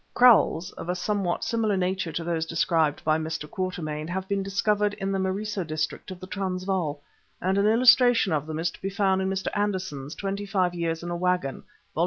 [*][*] Kraals of a somewhat similar nature to those described by Mr. Quatermain have been discovered in the Marico district of the Transvaal, and an illustration of them is to be found in Mr. Anderson's "Twenty five Years in a Waggon," vol.